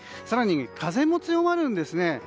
更に、風も強まるんですね。